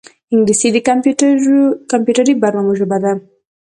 انګلیسي د کمپیوټري برنامو ژبه ده